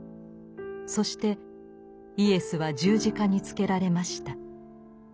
そしてイエスは十字架につけられました。